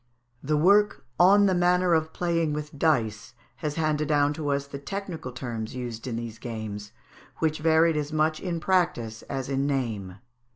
] The work "On the Manner of playing with Dice," has handed down to us the technical terms used in these games, which varied as much in practice as in name.